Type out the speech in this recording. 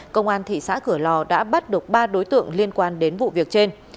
công an thị xã cửa lò đã bắt được ba đối tượng liên quan đến vụ việc trên